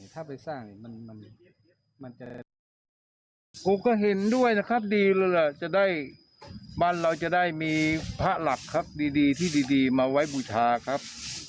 ถ้าไปสร้างมันก็เห็นด้วยนะครับมันเราจะได้มีพระหลักที่ดีมาไว้บูชาครับ